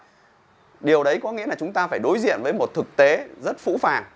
và điều đấy có nghĩa là chúng ta phải đối diện với một thực tế rất phũ phàng